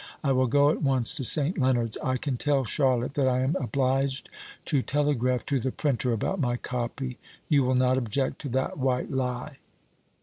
I will go at once to St. Leonards. I can tell Charlotte that I am obliged to telegraph to the printer about my copy. You will not object to that white lie?"